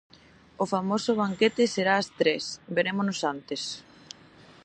O famoso banquete será ás tres; verémonos antes.